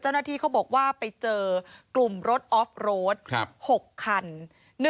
เจ้าหน้าที่เขาบอกว่าไปเจอกลุ่มรถออฟโรด๖คัน